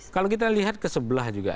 kalau kita lihat kesebelah juga